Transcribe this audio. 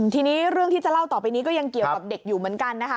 ทีนี้เรื่องที่จะเล่าต่อไปนี้ก็ยังเกี่ยวกับเด็กอยู่เหมือนกันนะคะ